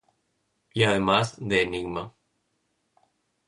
Y además, de enigma.